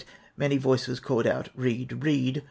(Many voices called out, "Read, read!''''